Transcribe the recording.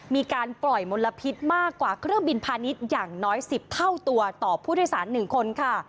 มีการปล่อยมลพิษมากกว่าเครื่องบินพาณิชย์อย่างน้อย๑๐เท่าตัวต่อผู้โดยสาร๑คนค่ะ